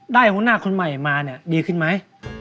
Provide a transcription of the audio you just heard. ได้ของหน้าคนใหม่มาเนี่ยดีขึ้นมั้ย